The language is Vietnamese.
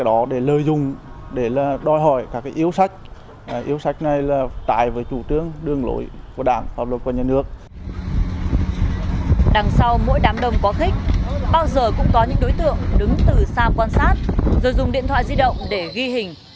có những đối tượng đứng từ xa quan sát rồi dùng điện thoại di động để ghi hình